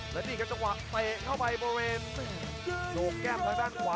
และนี่ครับจังหวะเตะเข้าไปบริเวณโหนกแก้มทางด้านขวา